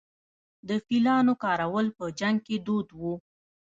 د فیلانو کارول په جنګ کې دود و